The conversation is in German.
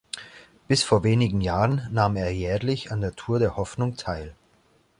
Bis vor wenigen Jahren nahm er jährlich an der Tour der Hoffnung teil.